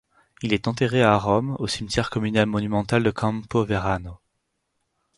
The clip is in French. Il est enterré à Rome au Cimetière communal monumental de Campo Verano.